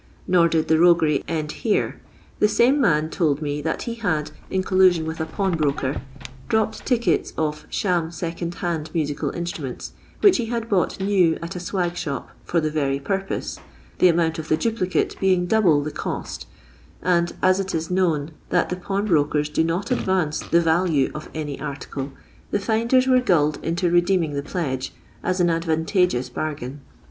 Nor did the roguery end here. The same man told me that he had, in collusion with a pawbroker, dropped tickets of (sham) second hand musical instruments, which he nad bought new at a swag shop for the very purpose, the amount on the duplicate being double the cost, and as it is known that the pawnbrokers do not advance the value of any article, the finders were gulled into redeeming the pledge, as an advantageous bar* gain.